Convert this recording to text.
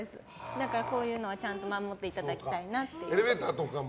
だから、こういうのはちゃんと守っていただきたいなと。